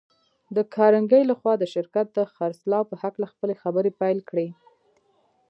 د کارنګي لهخوا د شرکت د خرڅلاو په هکله خپلې خبرې پيل کړې.